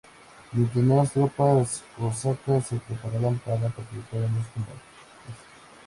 Mientras, nuevas tropas cosacas se preparaban para participar en los combates.